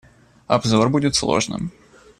Обзор будет сложным.